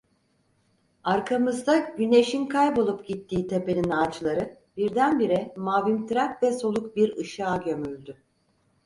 Arkamızda güneşin kaybolup gittiği tepenin ağaçları birdenbire mavimtırak ve soluk bir ışığa gömüldü.